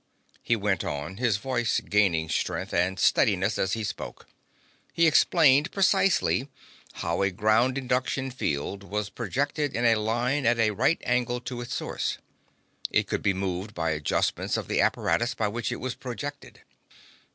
He went on, his voice gaining strength and steadiness as he spoke. He explained, precisely, how a ground induction field was projected in a line at a right angle to its source. It could be moved by adjustments of the apparatus by which it was projected.